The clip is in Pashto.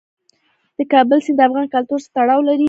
د کابل سیند د افغان کلتور سره تړاو لري.